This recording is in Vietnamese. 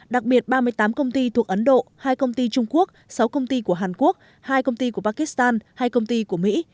đặc biệt ba mươi tám công ty thuộc ấn độ hai công ty trung quốc sáu công ty của hàn quốc hai công ty của pakistan hai công ty của mỹ